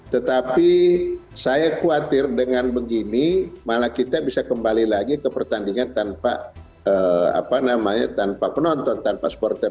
tetapi saya khawatir dengan begini malah kita bisa kembali lagi ke pertandingan tanpa penonton tanpa supporter